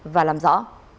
và làm rõ